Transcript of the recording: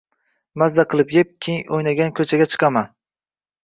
Mazza qilib yeb, keyin oʻynagani koʻchaga chiqaman